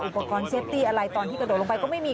อุปกรณ์เซฟตี้อะไรตอนที่กระโดดลงไปก็ไม่มี